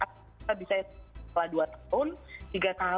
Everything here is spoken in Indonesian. kita bisa setelah dua tahun tiga tahun selama aja